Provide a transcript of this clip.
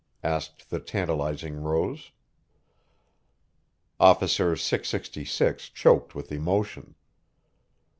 asked the tantalizing Rose. Officer 666 choked with emotion.